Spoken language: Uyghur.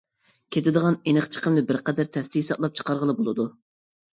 كېتىدىغان ئېنىق چىقىمنى بىر قەدەر تەستە ھېسابلاپ چىقارغىلى بولىدۇ.